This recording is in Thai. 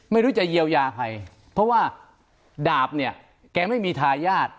ไม่รู้จะเยียวยาใครเพราะว่าดาบเนี่ยแกไม่มีทายาท